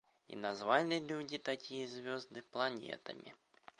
И назвали люди такие звезды планетами.